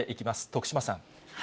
徳島さん。